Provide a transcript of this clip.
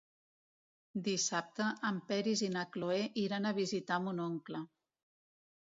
Dissabte en Peris i na Cloè iran a visitar mon oncle.